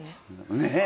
ねえ。